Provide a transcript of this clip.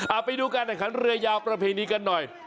อ่าไปดูการเนื้อขันเรือยาวประเภทนี้กันหน่อย